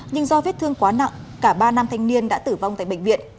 nhưng do vết thương quá nặng cả ba nam thanh niên đã tử vong tại bệnh viện